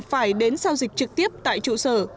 phải đến giao dịch trực tiếp tại trụ sở